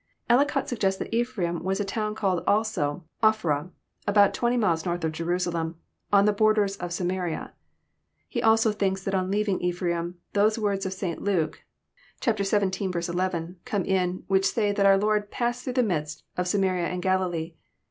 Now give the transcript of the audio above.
Ellicott suggests that Ephraim was a town called also Ophrah, About twenty miles north of Jerusalem, on the borders of Sama ria. He also thinks that on leaving Ephraim those words of St. Luke (chapter xvii. 11) come in, which say, that our Lord ''passed through the midst of Samaria and Galilee."